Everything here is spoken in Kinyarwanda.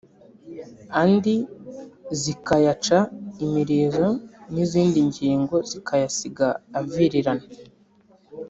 andi zikayaca imirizo n’izindi ngingo zikayasiga aviririna